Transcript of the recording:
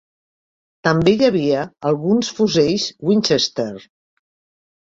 També hi havia alguns fusells Winchester.